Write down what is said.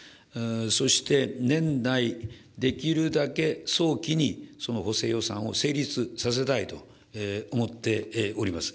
そして、年内できるだけ早期に、その補正予算を成立させたいと思っております。